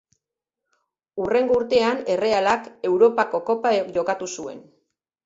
Hurrengo urtean Errealak Europako Kopa jokatu zuen.